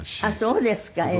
あっそうですか。